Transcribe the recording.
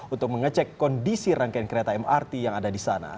untuk mengecek kondisi rangkaian kereta mrt yang ada di sana